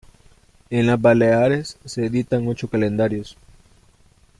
En las Baleares se editan ocho calendarios.